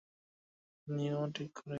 যা দেবে যা নেবে সেটা মোকাবিলায় ঠিক করে নিয়ো।